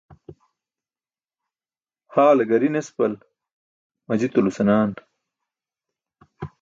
Haale gari nespal majitulo senaan.